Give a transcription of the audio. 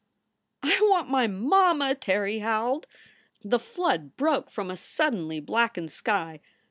" "I want my mamma!" Terry howled. The flood broke from a suddenly blackened sky.